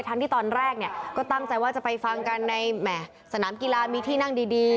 ที่ตอนแรกเนี่ยก็ตั้งใจว่าจะไปฟังกันในแหมสนามกีฬามีที่นั่งดี